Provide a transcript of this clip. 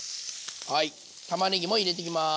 たまねぎも入れていきます。